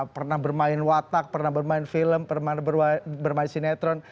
pernah bermain watak pernah bermain film pernah bermain sinetron